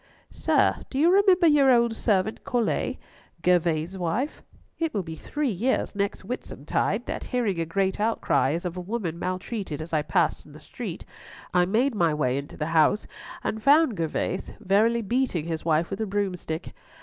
"Sir, do you remember your old servant Colet, Gervas's wife? It will be three years next Whitsuntide that hearing a great outcry as of a woman maltreated as I passed in the street, I made my way into the house and found Gervas verily beating his wife with a broomstick.